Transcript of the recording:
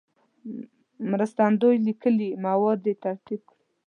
مرستندوی لیکلي مواد دې ترتیب کړي.